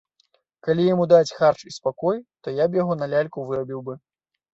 Калі яму даць харч і спакой, то я б яго на ляльку вырабіў бы.